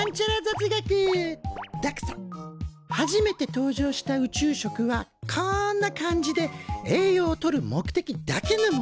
初めて登場した宇宙食はこんな感じで栄養を取る目的だけのものだったんだ。